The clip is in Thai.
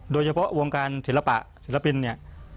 โดยเฉพาะวงการศิลปะศิลปินเนี่ย